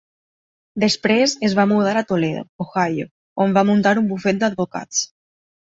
Després es va mudar a Toledo, Ohio, on va muntar un bufet d'advocats.